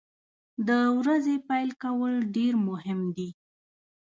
د ورځې پیل کول ډیر مهم دي.